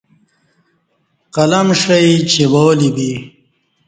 قلم ݜی چیوالی بی